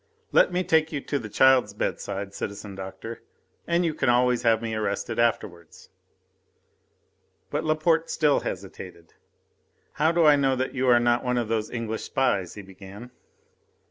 Let me take you to the child's bedside, citizen doctor, you can always have me arrested afterwards." But Laporte still hesitated. "How do I know that you are not one of those English spies?" he began.